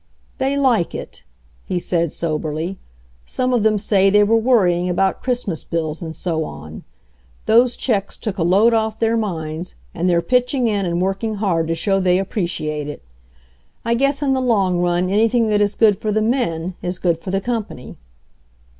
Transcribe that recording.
"They like it," he said soberly. "Some of them say they were worrying about Christmas bills, and so on. Those checks took a load off their minds, and they're pitching in and working hard to show they appreciate it. I guess in the long run anything that is good for the men is good for the company."